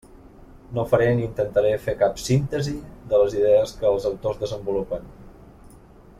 No faré ni intentaré fer cap «síntesi» de les idees que els autors desenvolupen.